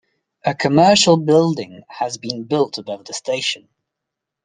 A commercial building has been built above the station.